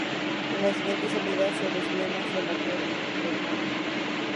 En la siguiente salida se desvía hacia la calle del Greco.